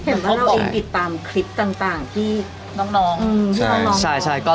เหมือนว่าเราเองติดตามคลิปต่างที่น้อง